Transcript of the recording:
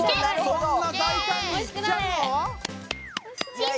そんな大胆にいっちゃうの？